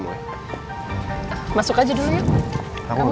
engga usah ribuan